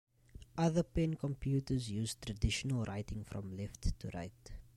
Other pen computers used traditional writing from left to right.